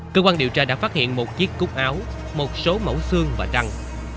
cơ quan điều tra đã phát hiện một chiếc cút áo một số mẫu xương và răng